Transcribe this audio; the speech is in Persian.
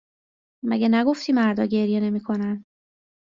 مگه نگفتی مردا گریه نمیکنن؟